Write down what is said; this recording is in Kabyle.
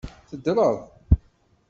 Teddreḍ?